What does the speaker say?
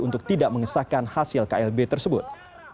untuk tidak mengesahkan hasil klb tersebut